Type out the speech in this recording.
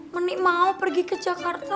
menik mau pergi ke jakarta